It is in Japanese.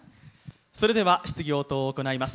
それでは、質疑応答を行います。